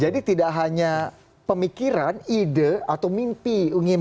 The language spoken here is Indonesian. jadi tidak hanya pemikiran ide atau mimpi